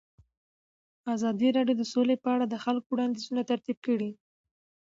ازادي راډیو د سوله په اړه د خلکو وړاندیزونه ترتیب کړي.